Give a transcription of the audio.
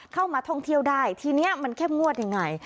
เข้ามาท่องเที่ยวได้ทีนี้มันเข้มงวดยังไง